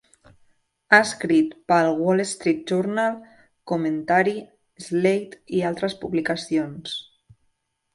Ha escrit pel "Wall Street Journal", "Commentary", "Slate" i altres publicacions.